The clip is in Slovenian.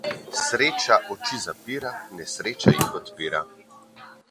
Sreča oči zapira, nesreča jih odpira.